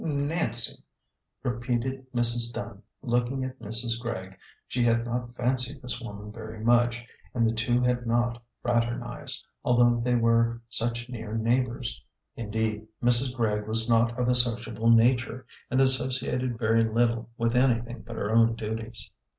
"Nancy!" repeated Mrs. Dunn, looking at Mrs. Gregg. She had not fancied this woman very much, and the two had not fraternized, although they were such near neigh bors. Indeed, Mrs. Gregg was not of a sociable nature, and associated very little with anything but her own duties.